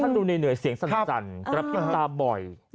ท่านดูเหนื่อยเสียงสนับจันทร์กระพริบตาบ่อย